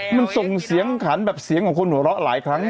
มันส่งเสียงขันแบบเสียงของคนหัวเราะหลายครั้ง